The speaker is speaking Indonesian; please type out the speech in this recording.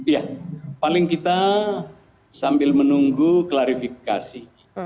ya paling kita sambil menunggu klarifikasi